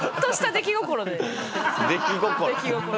出来心で。